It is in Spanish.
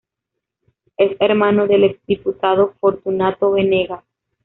Es hermano del ex-diputado Fortunato Venegas.